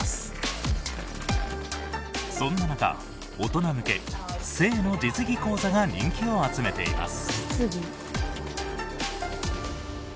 そんな中大人向け性の実技講座が人気を集めています。